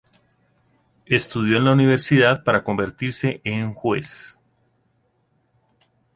Estudió en la universidad para convertirse en juez.